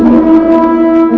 aku akan menang